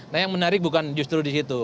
nah yang menarik bukan justru disitu